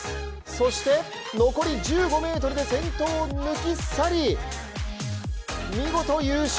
そして、残り１５ｍで先頭を抜き去り、見事優勝。